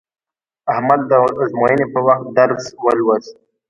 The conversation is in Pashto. احمد د ازموینې په وخت درس ولوست.